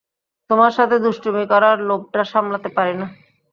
তোমার সাথে দুষ্টুমি করার লোভটা সামলাতে পারি না!